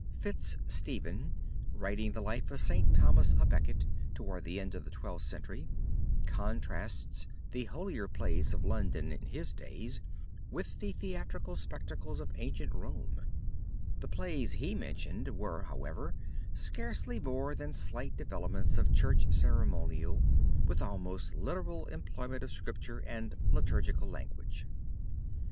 Fitz Stephen, writing the life of St. Thomas a Becket, towards the end of the Twelfth Century, contrasts the holier plays of London in his days with the theatrical spectacles of ancient Rome. The plays he mentioned were, however, scarcely more than slight developments of Church ceremonial with almost literal employment of scripture and liturgical language. {opp240} ST.